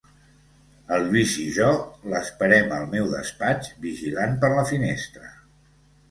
El Lluís i jo l'esperem al meu despatx, vigilant per la finestra.